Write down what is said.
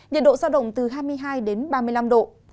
nhiệt độ giao động từ hai mươi hai đến ba mươi năm độ